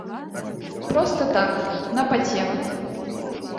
Проста так, на пацеху.